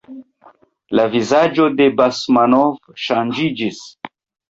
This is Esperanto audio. La vizaĝo de Basmanov ŝanĝiĝis.